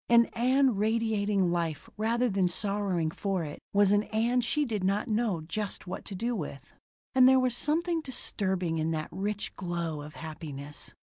An Ann radiating life rather than sorrowing for it was an Ann she did not know just what to do with. And there was something disturbing in that rich glow of happiness.